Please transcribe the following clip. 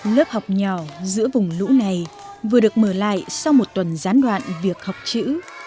lớp học nhỏ giữa vùng lũ này vừa được mở lại sau một tuần gián đoạn việc học chữ